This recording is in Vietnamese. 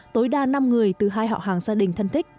tối đa năm người từ hai hạo hàng gia đình thân thích